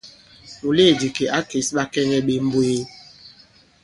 Mùleèdì kì à kês ɓakɛŋɛ ɓe mbwee.